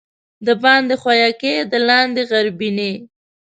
دباندي ښويکى، د لاندي غربينى.